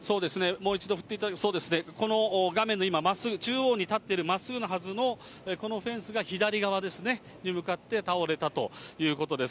もう一度振っていただくと、そうですね、この画面のまっすぐ、中央に立ってるまっすぐなはずのこのフェンスが左側に向かって倒れたということです。